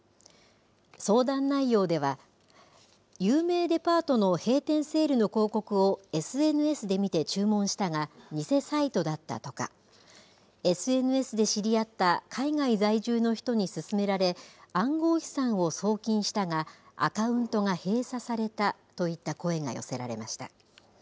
相談内容では、有名デパートの閉店セールの広告をＳＮＳで見て注文したが、偽サイトだったとか、ＳＮＳで知り合った海外在住の人に勧められ、暗号資産を送金したがアカウントが閉鎖されたといった声が寄せられました。